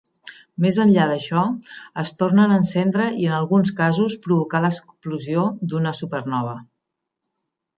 Més enllà d'això, es tornen a encendre i, en alguns casos, provocar l'explosió d'una supernova.